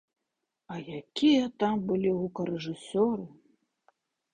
А якія там былі гукарэжысёры!